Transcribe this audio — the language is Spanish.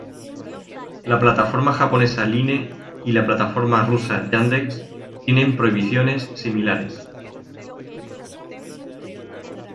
La plataforma japonesa Line y la plataforma rusa Yandex tienen prohibiciones similares.